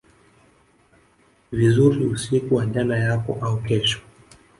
vizuri usiku wa jana yako au kesho